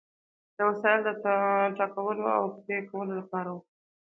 دا وسایل د ټکولو او پرې کولو لپاره وو.